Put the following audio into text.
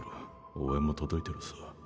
応援も届いてるさ。